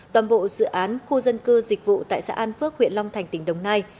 toàn bộ dự án khu dân cư dịch vụ tại xã an phước huyện long thành tỉnh đồng nai